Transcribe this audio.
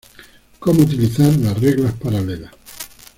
Cómo utilizar las reglas paralelas